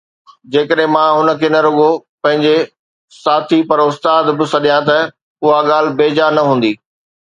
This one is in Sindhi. جيڪڏهن مان هن کي نه رڳو پنهنجو ساٿي پر استاد به سڏيان ته اها ڳالهه بيجا نه هوندي